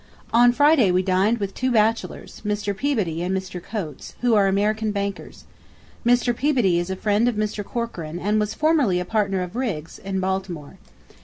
On Friday we dined with two bachelors, Mr. Peabody and Mr. Coates, who are American bankers. Mr. Peabody is a friend of Mr. Corcoran and was formerly a partner of Mr. Riggs in Baltimore.